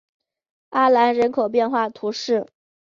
阿兰人口变化图示